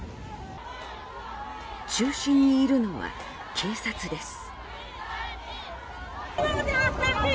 中心にいるのは警察です。